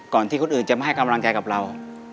ที่คนอื่นจะมาให้กำลังใจกับเรา